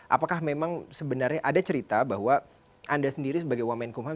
apakah memang sebenarnya ada cerita bahwa anda sendiri sebagai wamenkumham